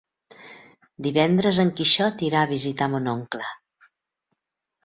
Divendres en Quixot irà a visitar mon oncle.